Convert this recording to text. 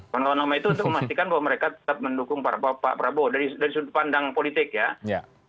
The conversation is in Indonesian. kawan kawan nama itu untuk memastikan bahwa mereka tetap mendukung pak prabowo dari sudut pandang politik ya